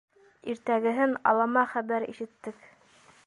Иртәгеһен алама хәбәр ишеттек.